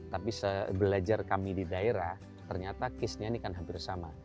tapi belajar kami di daerah ternyata case nya ini kan hampir sama